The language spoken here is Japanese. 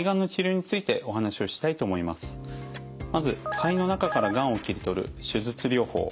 まず肺の中からがんを切り取る手術療法。